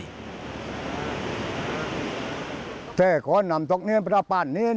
เจ้าข้อนำตรงนี้พระราชป่านนี้